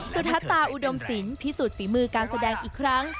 สุธาอุดมศิลปพิสูจน์ฝีมือการแสดงอีกครั้ง